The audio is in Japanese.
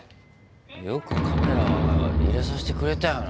よくカメラ入れさせてくれたよな。